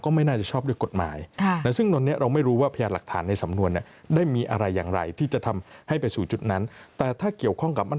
ก็ไม่น่าจะชอบด้วยกฎหมาย